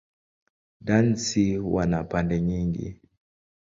Dansi huwa na pande nyingi.